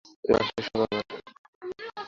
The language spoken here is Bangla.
এই মাংস সব আমার।